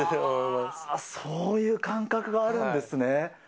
そういう感覚があるんですね。